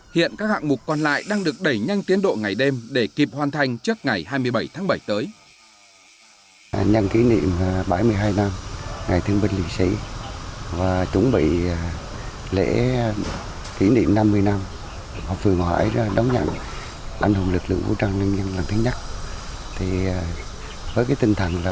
hiện các hạng mục còn lại đang được đẩy nhanh tiến độ ngày đêm để kịp hoàn thành trước ngày hai mươi bảy tháng bảy tới